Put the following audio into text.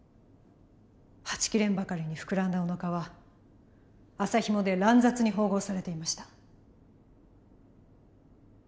はちきれんばかりに膨らんだおなかは麻ひもで乱雑に縫合されていました。